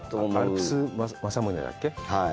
「アルプス政宗」だっけ？